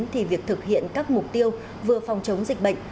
thì việc thực hiện các mục tiêu vừa phòng chống dịch bệnh